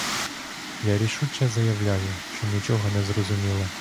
Я рішуче заявляю, що нічого не зрозуміла.